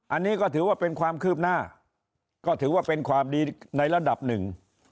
อันนี้ก็ถือว่าเป็นความคืบหน้าก็ถือว่าเป็นความดีในระดับหนึ่ง